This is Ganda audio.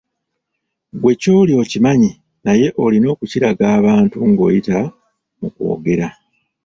Ggwe ky'oli okimanyi naye olina okukiraga abantu ng'oyita mu kwogera.